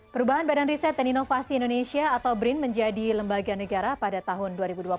perubahan badan riset dan inovasi indonesia atau brin menjadi lembaga negara pada tahun dua ribu dua puluh